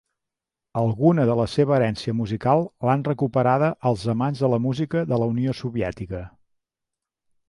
Alguna de la seva herència musical l'han recuperada els amants de la música de la Unió Soviètica.